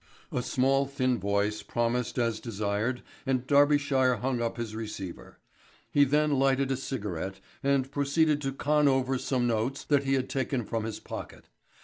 A small thin voice promised as desired and Darbyshire hung up his receiver. He then lighted a cigarette, and proceeded to con over some notes that he had taken from his pocket.